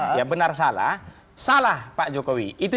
salah pak jokowi itu yang kami laporkan yang pertama